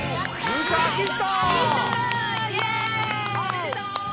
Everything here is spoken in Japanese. おめでとう！